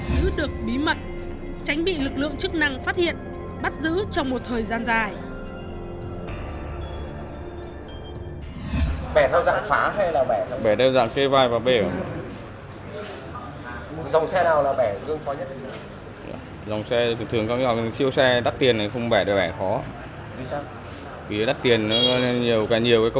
giữ được bí mật tránh bị lực lượng chức năng phát hiện bắt giữ trong một thời gian dài